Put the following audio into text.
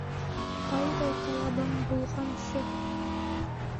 Тауҙай талабың булғансы